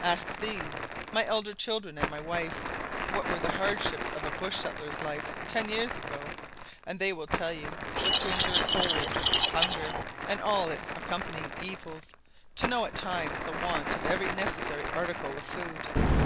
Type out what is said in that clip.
"Ask these, my elder children and my wife, what were the hardships of a bush settler's life ten years ago, and they will tell you it was to endure cold, hunger, and all its accompanying evils; to know at times the want of every necessary article of food.